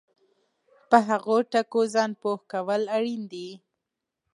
په هغو ټکو ځان پوه کول اړین دي